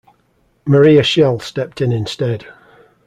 Maria Schell stepped in instead.